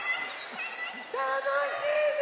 たのしいね！